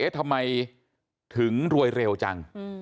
ทำไมถึงรวยเร็วจัง